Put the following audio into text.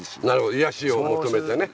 癒やしを求めて。